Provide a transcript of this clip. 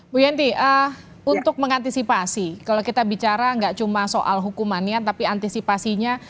bu yenti untuk mengantisipasi kalau kita bicara nggak cuma soal hukumannya tapi antisipasinya